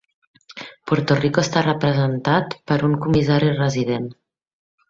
Puerto Rico està representat per un comissari resident.